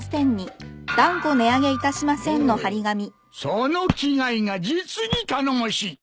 その気概が実に頼もしい！